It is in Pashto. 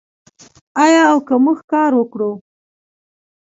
آیا او که موږ کار وکړو؟